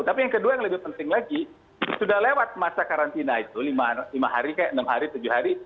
tapi yang kedua yang lebih penting lagi sudah lewat masa karantina itu lima hari enam hari tujuh hari